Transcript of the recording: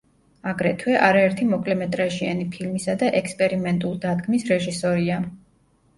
აგრეთვე, არაერთი მოკლემეტრაჟიანი ფილმისა და ექსპერიმენტულ დადგმის რეჟისორია.